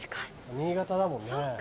新潟だもんね。